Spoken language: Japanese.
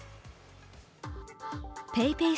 ＰａｙＰａｙ